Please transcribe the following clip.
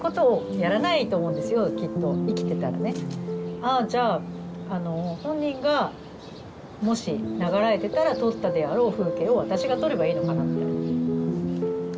ああじゃあ本人がもし永らえてたら撮ったであろう風景を私が撮ればいいのかなみたいな。